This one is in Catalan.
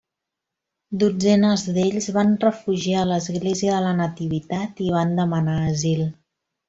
Dotzenes d'ells van refugiar a l'Església de la Nativitat i van demanar asil.